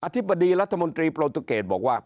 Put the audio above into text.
ธิบดีรัฐมนตรีโปรตูเกตบอกว่า